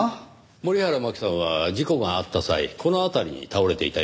森原真希さんは事故があった際この辺りに倒れていたようですね。